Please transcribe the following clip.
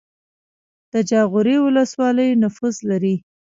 د جاغوری ولسوالۍ نفوس لري